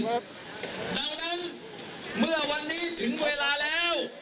ดังนั้นเมื่อวันนี้ถึงเวลาแล้ว